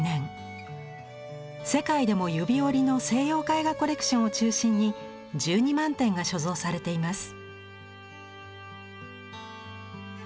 世界でも指折りの西洋絵画コレクションを中心に１２万点が所蔵されています。